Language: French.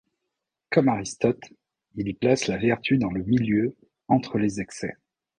Comme Aristote, il y place la vertu dans le milieu entre les excès.